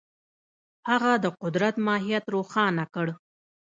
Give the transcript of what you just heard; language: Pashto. هغه د قدرت ماهیت روښانه کړ.